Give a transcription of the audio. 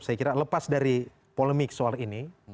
saya kira lepas dari polemik soal ini